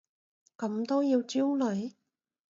咁都要焦慮？